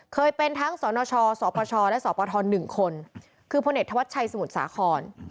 เคยเป็นทั้งสนชสปชและสปท๑คนคือพลเอกธวัชชัยสมุทรสาคร